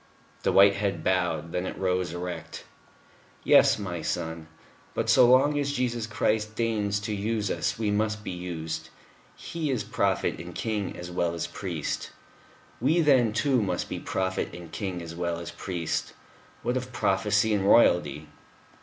The white head bowed. Then it rose erect. "Yes, my son.... But so long as Jesus Christ deigns to use us, we must be used. He is Prophet and King as well as Priest. We then, too, must be prophet and king as well as priest. What of Prophecy and Royalty?"